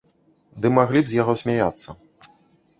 Ды маглі б з яго смяяцца.